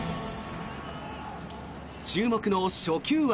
注目の初球は。